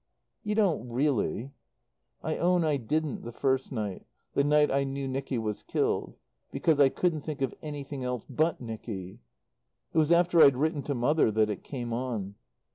"You don't really." "I own I didn't the first night the night I knew Nicky was killed. Because I couldn't think of anything else but Nicky. "It was after I'd written to Mother that it came on.